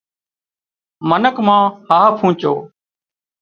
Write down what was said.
منک مان هاهَه پونچو